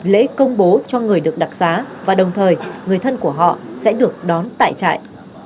lễ công bố cho người được đặc giá và đồng thời người thân của họ sẽ được đón tại trại